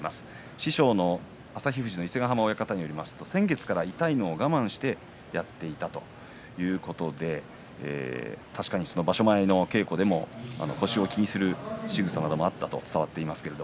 師匠の旭富士の伊勢ヶ濱親方によりますと先月から痛いのを我慢してやっていたということで確かに、場所前の稽古でも腰を気にするしぐさなどもあったと伝わっています。